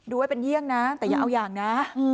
ไว้เป็นเยี่ยงนะแต่อย่าเอาอย่างนะ